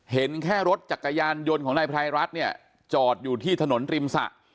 เห็นแค่รถจักรยานยนต์ของนายไพรรัฐเนี่ยจอดอยู่ที่ถนนริมสระ